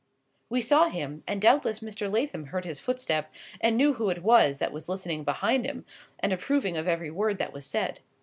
We saw him, and doubtless Mr. Lathom heard his footstep, and knew who it was that was listening behind him, and approving of every word that was said.